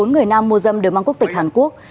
bốn người nam mua dâm đều mang quốc tịch hàn quốc